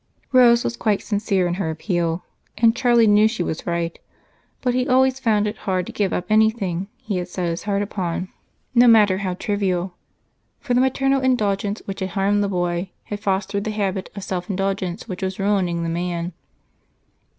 Rose was quite sincere in her appeal, and Charlie knew she was right, but he always found it hard to give up anything he had set his heart on, no matter how trivial, for the maternal indulgence which had harmed the boy had fostered the habit of self indulgence, which was ruining the man.